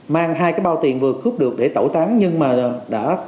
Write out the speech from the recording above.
mang hai cái bao tiền vừa cướp được để tẩu tán nhưng mà đã